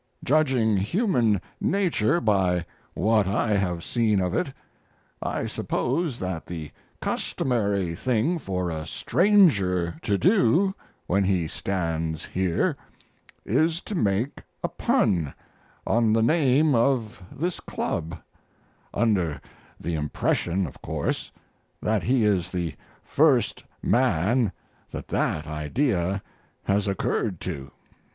Judging human nature by what I have seen of it, I suppose that the customary thing for a stranger to do when he stands here is to make a pun on the name of this club, under the impression, of course, that he is the first man that that idea has occurred to.